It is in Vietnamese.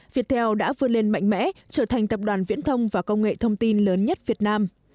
viettel đã vươn lên mạnh mẽ trở thành tập đoàn viễn thông và công nghệ thông tin lớn nhất việt nam